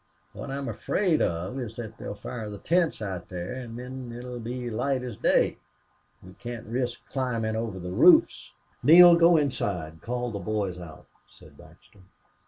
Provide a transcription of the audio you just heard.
What I'm afraid of is they'll fire the tents out there, an' then it 'll be light as day. We can't risk climbin' over the roofs." "Neale, go inside call the boys out," said Baxter.